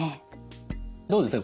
どうですか？